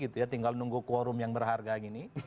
tinggal nunggu quorum yang berharga gini